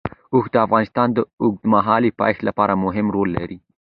اوښ د افغانستان د اوږدمهاله پایښت لپاره مهم رول لري.